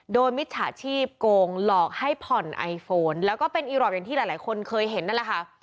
โดยมิจฉาชีพโกงหลอกให้ผ่อนไอโฟนแล้วก็เป็นอีรอปอย่างที่หลายคนเคยเห็นนั่นแหละค่ะ